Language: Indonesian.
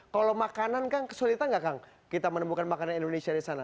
kalau makanan kang kesulitan gak kang kita menemukan makanan indonesia di sana